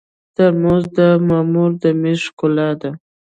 ترموز د مامور د مېز ښکلا ده.